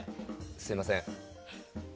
すいません。